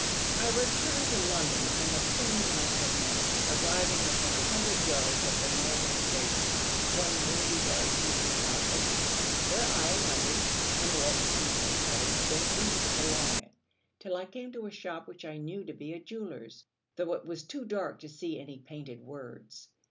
I returned to London on the 29th of March, arriving within a hundred yards of the Northern Station one windy dark evening about eight, where I alighted, and walked to Euston Road, then eastward along it, till I came to a shop which I knew to be a jeweller's, though it was too dark to see any painted words.